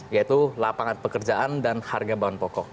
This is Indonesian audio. yaitu lapangan pekerjaan dan harga bahan pokok